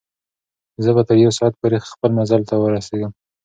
زه به تر یو ساعت پورې خپل منزل ته ورسېږم.